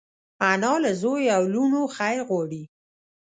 انا له زوی او لوڼو خیر غواړي